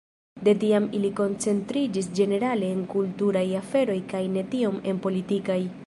De tiam ili koncentriĝis ĝenerale en kulturaj aferoj kaj ne tiom en politikaj.